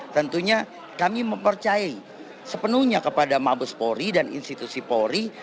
tentunya kami mempercayai sepenuhnya kepada mabes polri dan institusi polri